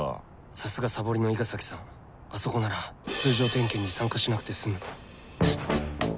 さすがサボりの伊賀崎さんあそこなら通常点検に参加しなくて済む